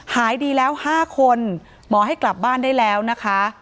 หายดีแล้ว๕คนหมอให้กลับบ้านได้แล้วนะคะ